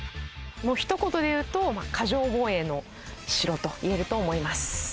ひと言で言うと、過剰防衛の城と言えると思います。